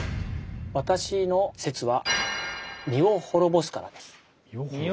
私の説は「身を滅ぼすから」です。